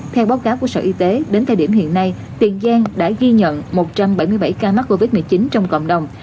theo báo cáo của sở y tế đến thời điểm hiện nay tiền giang đã ghi nhận một trăm bảy mươi bảy ca mắc covid một mươi chín trong cộng đồng